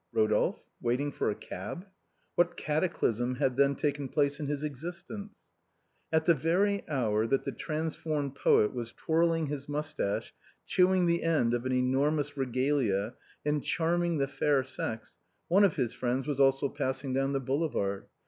Rodolphe waiting for a cab? What cataclysm had then taken place in his existence? At the very hour that the transformed poet was twirling his moustache, chewing the end of an enormous regalia, and charming the fair sex, one of his friends was also passing down the boulevard.